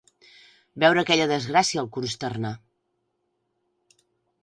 Veure aquella desgràcia el consternà.